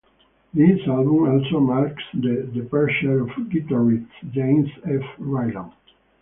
This album also marks the departure of guitarist Jens F. Ryland.